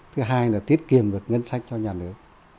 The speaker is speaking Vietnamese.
thứ hai là tiết kiệm được ngân sách cho nhà nước